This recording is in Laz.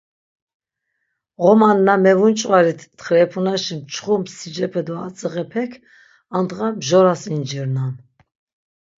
Ğoman na mevunç̌varit txirepunaşi mçxu msicepe do atziğepek andğa mjoras incirnan.